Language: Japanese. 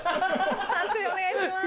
判定お願いします。